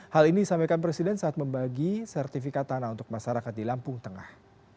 hal ini disampaikan presiden saat membagi sertifikat tanah untuk masyarakat di lampung tengah